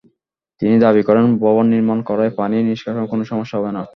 তিনি দাবি করেন, ভবন নির্মাণ করায় পানি নিষ্কাশনে কোনো সমস্যা হবে না।